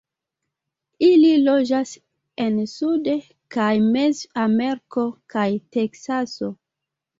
Ili loĝas en Sud- kaj Mez-Ameriko kaj Teksaso.